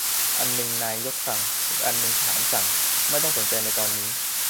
อันนึงนายกสั่ง อีกอันทหารสั่ง ไม่ต้องสนใจในตอนนี้